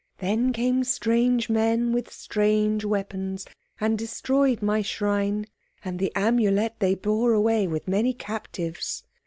Then came strange men with strange weapons and destroyed my shrine, and the Amulet they bore away with many captives.